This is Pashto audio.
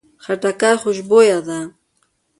خټکی خوشبویه ده.